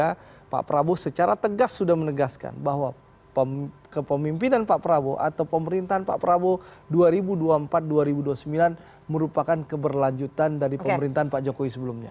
dan juga pak prabowo secara tegas sudah menegaskan bahwa kepemimpinan pak prabowo atau pemerintahan pak prabowo dua ribu dua puluh empat dua ribu dua puluh sembilan merupakan keberlanjutan dari pemerintahan pak jokowi sebelumnya